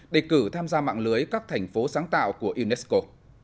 đề cử tham gia mạng lưới các thành phố sáng tạo của unesco